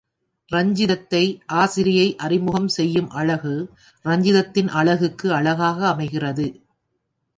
ரஞ்சிதத்தை ஆசிரியை அறிமுகம் செய்யும் அழகு, ரஞ்சிதத்தின் அழகுக்கு அழகாக அமைகிறது.